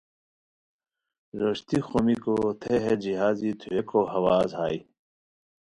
روشتی خومیکو تھے ہے جہازی تھوویکو ہواز ہائے